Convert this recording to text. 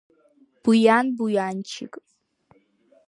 Буиан, Буианчик!